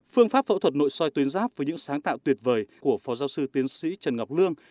phương pháp phẫu thuật nội soi tuyến giáp với những sáng tạo tuyệt vời của phó giáo sư tiến sĩ trần ngọc lương